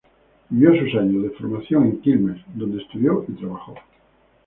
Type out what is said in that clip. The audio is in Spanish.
Vivió sus años de formación en Quilmes, donde estudió y trabajó.